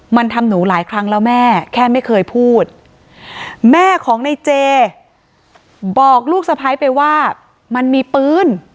มันทำหนูหลายครั้งแล้วแม่แค่ไม่เคยพูดแม่ของในเจบอกลูกสะพ้ายไปว่ามันมีปืน